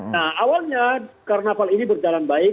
nah awalnya karnaval ini berjalan baik